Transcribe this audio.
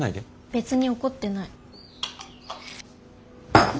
別に怒ってない。